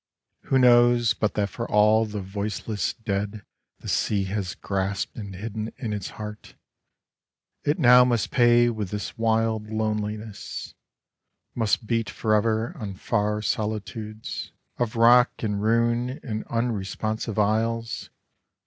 Who knows but that for all the voiceless dead The sea has grasped and hidden in its heart, It now must pay with this wild loneliness; Must beat forever on far solitudes Of rock and ruin and unresponsive isles.